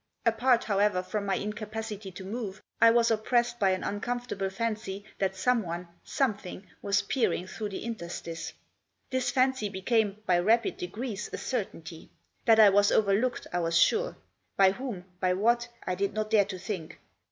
Apart, however, from my incapacity to move, I was oppressed by an uncomfortable fancy that someone, something, was peering through the interstice. This fancy be came, by rapid degrees, a certainty. That I was over looked I was sure. By whom, by what, I did not dare to think.